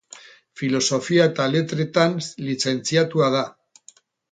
Filosofia eta Letretan lizentziatua da.